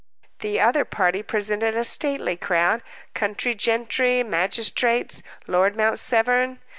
The other party presented a stately crowd county gentry, magistrates, Lord Mount Severn.